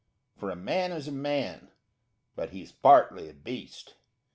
_For a man is a man, but he's partly a beast.